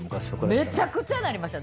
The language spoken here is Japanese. めちゃくちゃなりました。